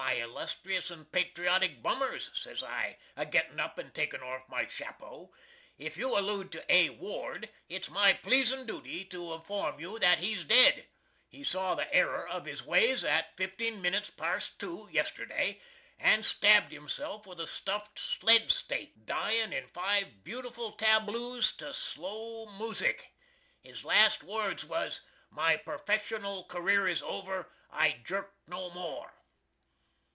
"My illustrious and patriotic Bummers!" sez I, a gittin up and takin orf my Shappo, "if you allude to A. Ward, it's my pleasin dooty to inform you that he's ded. He saw the error of his ways at 15 minutes parst 2 yesterday, and stabbed hisself with a stuffed sled stake, dyin in five beautiful tabloos to slow moosic! His last words was: 'My perfeshernal career is over! I jerk no more!'"